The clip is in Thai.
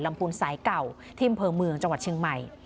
พูนสายเก่าที่อำเภอเมืองจังหวัดเชียงใหม่